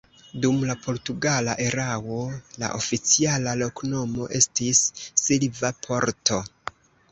Dum la portugala erao la oficiala loknomo estis Silva Porto.